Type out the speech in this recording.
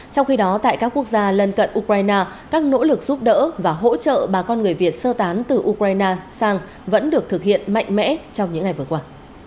trong khi đó tại các quốc gia lân cận ukraine các nỗ lực giúp đỡ và hỗ trợ bà con người việt sơ tán từ ukraine sang vẫn được thực hiện mạnh mẽ trong những ngày vừa qua